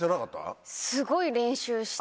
すごい練習して。